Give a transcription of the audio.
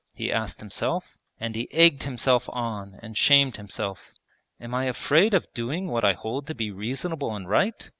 he asked himself, and he egged himself on and shamed himself. 'Am I afraid of doing what I hold to be reasonable and right?